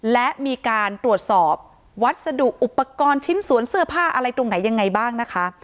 และมีการตรวจสอบวัสดุอุปกรณ์ชิ้นส่วนเสื้อผ้าอะไรตรงไหนยังไงบ้างนะคะ